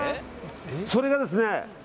それがですね。